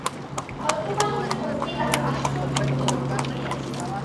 অল্প কয়েক দিনের মধ্যেই তাহার আশ্চর্য পরিবর্তন হইয়াছে।